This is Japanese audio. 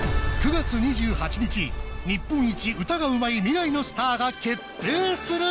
９月２８日日本一歌がうまい未来のスターが決定する！